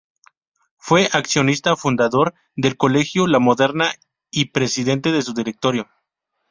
Fue accionista fundador del Colegio "La Moderna" y presidente de su Directorio.